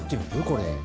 これ。